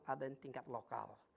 ada yang tingkat lokal